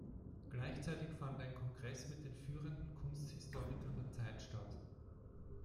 Gleichzeitig fand ein Kongress mit den führenden Kunsthistorikern der Zeit statt.